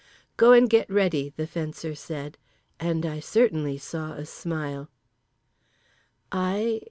"Go and get ready," the Fencer said, and I certainly saw a smile…. "I?